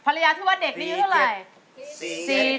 ภรรยาชื่อว่าเด็กนี่รู้ใช่ไหม